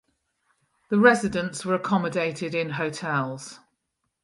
The residents were accommodated in hotels.